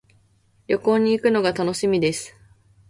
旅行に行くのが楽しみです。